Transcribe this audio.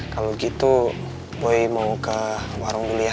kalau gitu boy mau ke warung dulu ya